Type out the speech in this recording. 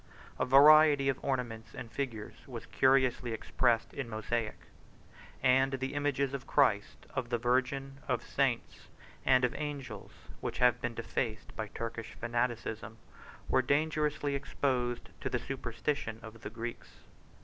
A variety of ornaments and figures was curiously expressed in mosaic; and the images of Christ, of the Virgin, of saints, and of angels, which have been defaced by Turkish fanaticism, were dangerously exposed to the superstition of the Greeks.